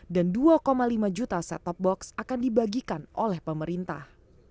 dan dua lima juta set top box akan dibagikan oleh pemerintah